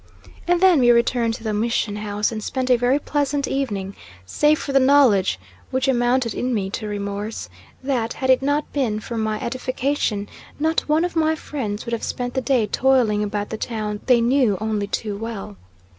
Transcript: And then we returned to the Mission House and spent a very pleasant evening, save for the knowledge (which amounted in me to remorse) that, had it not been for my edification, not one of my friends would have spent the day toiling about the town they know only too well.